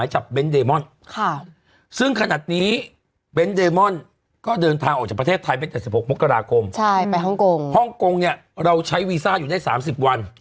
ฮ่องกงเนี่ยเราใช้วีซ่าอยู่ได้๓๐วัน